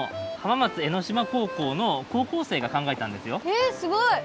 えっすごい！